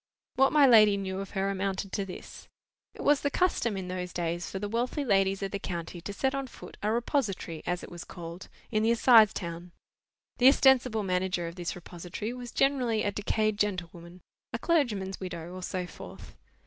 What my lady knew of her amounted to this. It was the custom in those days for the wealthy ladies of the county to set on foot a repository, as it was called, in the assize town. The ostensible manager of this repository was generally a decayed gentlewoman, a clergyman's widow, or so forth.